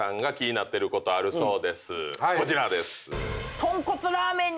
こちらです。